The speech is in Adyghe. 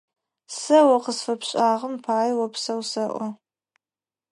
Сэ о къысфэпшӏагъэм пае опсэу осэӏо.